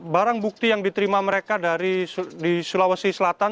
barang bukti yang diterima mereka di sulawesi selatan